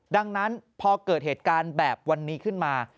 ดังนั้นพอเกิดเหตุการณ์แบบวันนี้ขึ้นมา